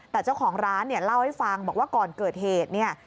แต่เจ้าของร้านเนี่ยเล่าให้ฟังบอกว่าก่อนเกิดเหตุเนี่ย